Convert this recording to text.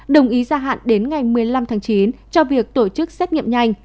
đồng ý gia hạn đến ngày một mươi năm tháng chín cho việc tổ chức xét nghiệm nhanh